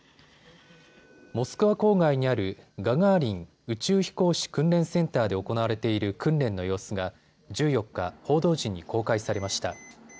モスクワ郊外にあるガガーリン宇宙飛行士訓練センターで行われている訓練の様子が１４日、報道陣に公開されました。